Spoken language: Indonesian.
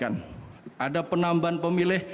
ada penambahan pemilih dan juga ada penambahan pemilih